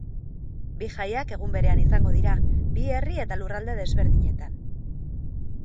Bi jaiak egun berean izango dira, bi herri eta lurralde desberdinetan.